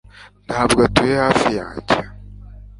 Ntabwo atuye hafi yanjye.